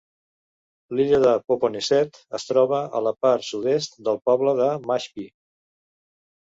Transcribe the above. L'illa de Popponesset es troba a la part sud-est del poble de Mashpee.